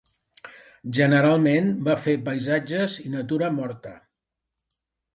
Generalment va fer paisatges i natura morta.